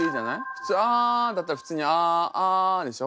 普通「あ」だったら普通に「ああ」でしょ。